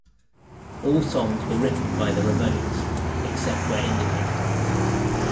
All songs were written by the Ramones except where indicated.